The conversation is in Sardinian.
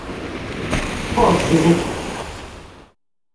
Forsis.